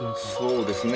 そうですね